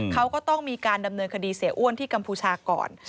เขาก็ต้องมีการดำเนินคดีเสียอ้วนที่กัมพูชาก่อน